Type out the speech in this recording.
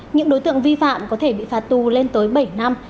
những đối tượng vi phạm có thể bị phạt tù lên tới bảy năm